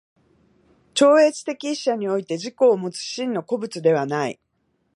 超越的一者において自己をもつ真の個物ではない。